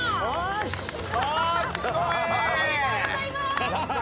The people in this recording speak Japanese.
おめでとうございます。